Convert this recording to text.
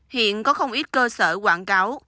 hiện có không ít cơ sở quảng cáo